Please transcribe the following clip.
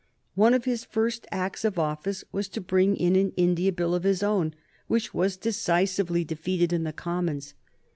One of his first acts of office was to bring in an India Bill of his own, which was decisively defeated in the Commons.